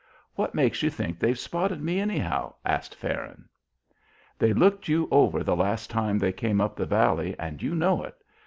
"What makes you think they've spotted me, anyhow?" asked Farron. "They looked you over the last time they came up the valley, and you know it.